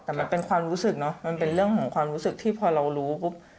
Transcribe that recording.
แต่มันเป็นความรู้สึกเนอะมันเป็นเรื่องของความรู้สึกที่พอเรารู้ปุ๊บ